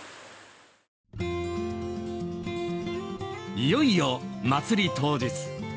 いよいよまつり当日。